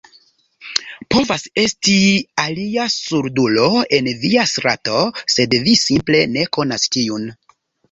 Povas esti alia surdulo en via strato, sed vi simple ne konas tiun.